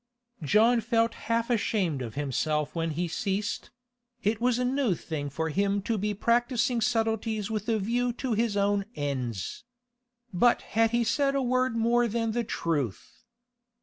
John felt half ashamed of himself when he ceased; it was a new thing for him to be practising subtleties with a view to his own ends. But had he said a word more than the truth?